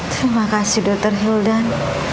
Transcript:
terima kasih dokter hildan